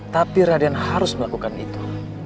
tapi raden harus melakukan itu